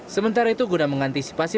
sementara itu guna mengantisipasi